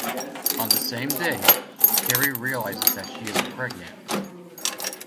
On the same day, Carrie realizes that she is pregnant.